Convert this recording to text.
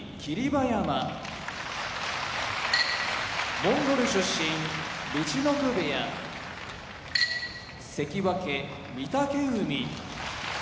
馬山モンゴル出身陸奥部屋関脇・御嶽海